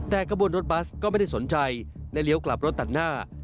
แต่กระบวนรถบัสก็ไม่ได้สนใจและเลี้ยวกลับรถตัดหน้า